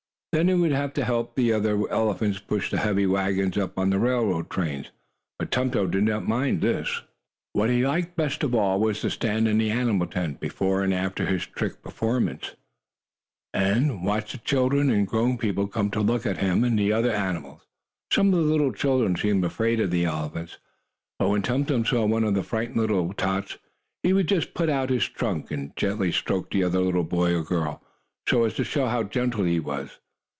Then he would have to help the other elephants push the heavy wagons up on the railroad trains. But Tum Tum did not mind this. What he liked, best of all, was to stand in the animal tent, before and after his trick performances, and watch the children and grown people come in to look at him and the other animals. Some of the little children seemed afraid of the elephants, but when Tum Tum saw one of these frightened little tots, he would just put out his trunk, and gently stroke some other little boy or girl, so as to show how gentle he was.